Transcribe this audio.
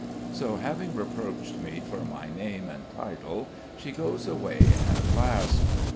So, having reproached me for my name and title, she goes away at last.